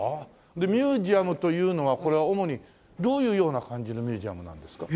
でミュージアムというのはこれは主にどういうような感じのミュージアムなんですか？